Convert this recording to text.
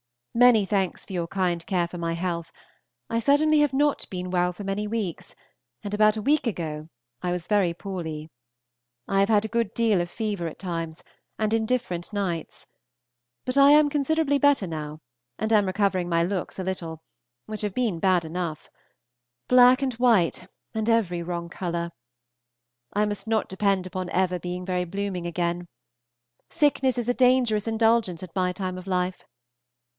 Many thanks for your kind care for my health; I certainly have not been well for many weeks, and about a week ago I was very poorly. I have had a good deal of fever at times, and indifferent nights; but I am considerably better now, and am recovering my looks a little, which have been bad enough, black and white, and every wrong color. I must not depend upon being ever very blooming again. Sickness is a dangerous indulgence at my time of life.